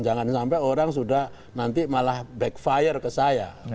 jangan sampai orang sudah nanti malah backfire ke saya